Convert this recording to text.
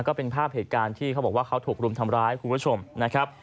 ก็เป็นภาพเหตุการณ์ที่เขาบอกว่าเขาถูกรุมทำร้ายคุณผู้ชมนะครับ